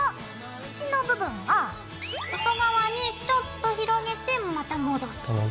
縁の部分を外側にちょっと広げてまた戻す。